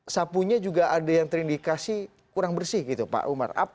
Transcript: sapunya juga ada yang terindikasi kurang bersih gitu pak umar